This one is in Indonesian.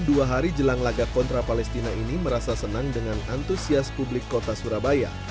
dua hari jelang laga kontra palestina ini merasa senang dengan antusias publik kota surabaya